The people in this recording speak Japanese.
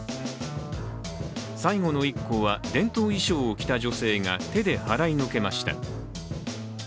最後の１個は、伝統衣装を着た女性が手で払いのけました。